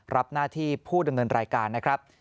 รับหน้าที่ผู้ดำเนินรายการนะครับ